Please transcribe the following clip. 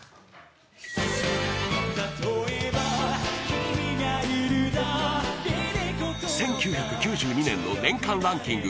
「たとえば君がいるだけで」１９９２年の年間ランキング